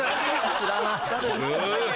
知らない。